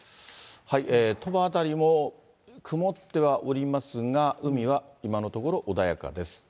鳥羽辺りも曇ってはおりますが、海は今のところ、穏やかです。